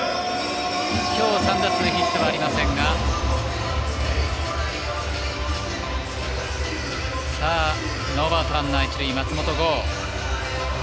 きょうは３打数ヒットがありませんがノーアウトランナー、一塁松本剛。